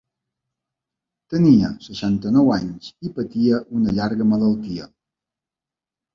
Tenia seixanta-nou anys i patia una llarga malaltia.